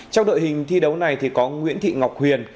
trong đội hình thi đấu này thì có nguyễn thị ngọc huyền